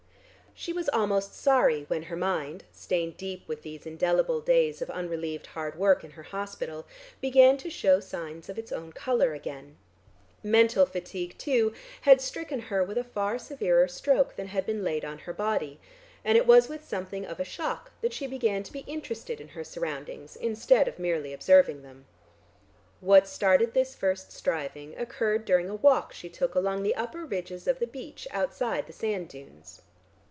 She was almost sorry when her mind, stained deep with these indelible days of unrelieved hard work in her hospital, began to show signs of its own colour again. Mental fatigue, too, had stricken her with a far severer stroke than had been laid on her body, and it was with something of a shock that she began to be interested in her surroundings instead of merely observing them. What started this first striving occurred during a walk she took along the upper ridges of the beach outside the sand dunes.